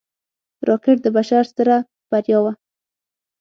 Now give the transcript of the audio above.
راکټ د بشر ستره بریا وه